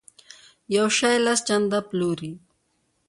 یو شی لس چنده پلوري.